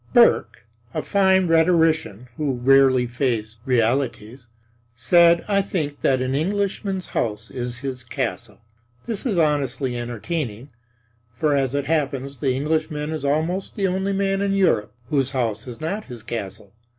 Burke, a fine rhetorician, who rarely faced realities, said, I think, that an Englishman's house is his castle. This is honestly entertaining; for as it happens the Englishman is almost the only man in Europe whose house is not his castle.